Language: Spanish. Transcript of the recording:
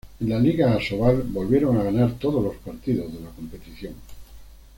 En la Liga Asobal volvieron a ganar todos los partidos de la competición.